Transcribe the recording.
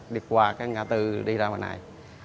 điệt quả cái ngã tư đi ra bên này